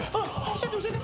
教えて教えて。